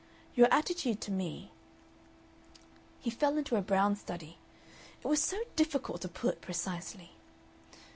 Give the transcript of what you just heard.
Your attitude to me " He fell into a brown study. It was so difficult to put precisely.